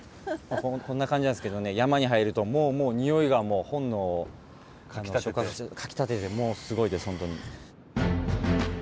こんな感じなんですけど山に入るとにおいがもう本能をかきたててもうすごいです本当に。